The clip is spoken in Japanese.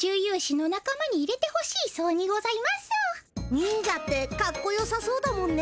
ニンジャってかっこよさそうだもんね。